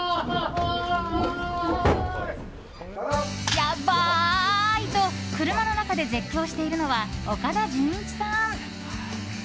ヤッバイ！と車の中で絶叫しているのは岡田准一さん。